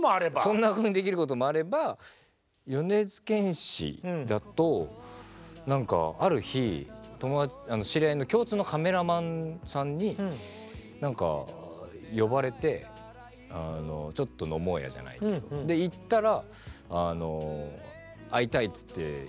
そんなふうにできることもあれば米津玄師だとなんかある日知り合いの共通のカメラマンさんに呼ばれてちょっと飲もうやじゃないけどで行ったら。